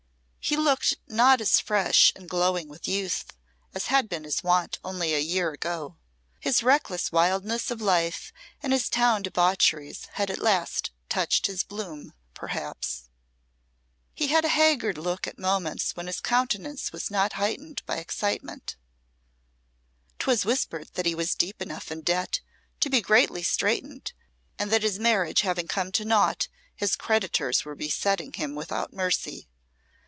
He looked not as fresh and glowing with youth as had been his wont only a year ago. His reckless wildness of life and his town debaucheries had at last touched his bloom, perhaps. He had a haggard look at moments when his countenance was not lighted by excitement. 'Twas whispered that he was deep enough in debt to be greatly straitened, and that his marriage having come to naught his creditors were besetting him without mercy.